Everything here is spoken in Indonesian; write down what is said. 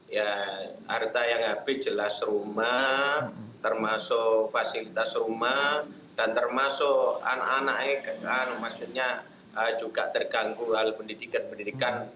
ya harta yang habis jelas rumah termasuk fasilitas rumah dan termasuk anak anaknya juga terganggu hal pendidikan pendidikan